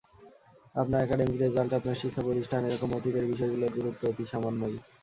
আপনার academic result, আপনার শিক্ষাপ্রতিষ্ঠান—এ রকম অতীতের বিষয়গুলোর গুরুত্ব অতি সামান্যই।